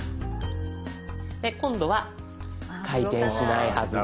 今度は回転しないはずです。